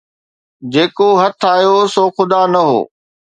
جيڪو هٿ آيو سو خدا نه هو